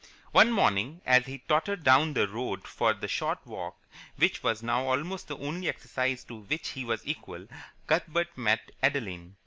One morning, as he tottered down the road for the short walk which was now almost the only exercise to which he was equal, Cuthbert met Adeline.